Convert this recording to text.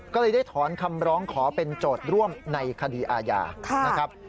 ก็เลยได้ถอนคำร้องขอเป็นโจทย์ร่วมในคดีอาญานะครับ